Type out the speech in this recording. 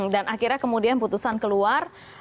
dan akhirnya kemudian putusan keluar